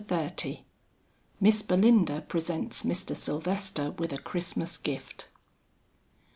TO Z. XXX. MISS BELINDA PRESENTS MR. SYLVESTER WITH A CHRISTMAS GIFT.